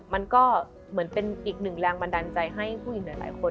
มันก็เหมือนเป็นอีกหนึ่งแรงบันดาลใจให้ผู้หญิงหลายคน